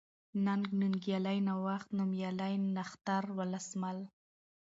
ننگ ، ننگيالی ، نوښت ، نوميالی ، نښتر ، ولسمل